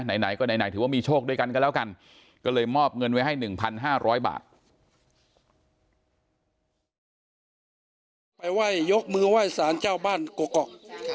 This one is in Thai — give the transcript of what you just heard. ไปไหว้ยกมือไหว้สารเจ้าบ้านกกก